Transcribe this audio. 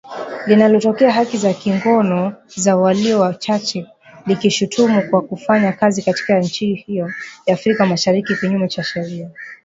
linalotetea haki za kingono za walio wachache likilishutumu kwa kufanya kazi katika nchi hiyo ya Afrika Mashariki kinyume cha sheria